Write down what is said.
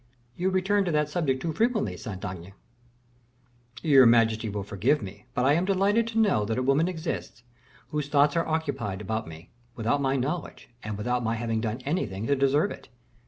"You return to that subject too frequently, Saint Aignan." "Your majesty will forgive me, but I am delighted to know that a woman exists whose thoughts are occupied about me, without my knowledge, and without my having done anything to deserve it.